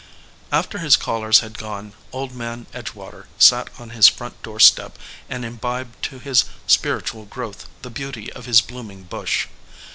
After his callers had gone, Old Man Edgewater sat on his front door step and imbibed to his spir itual growth the beauty of his blooming bush.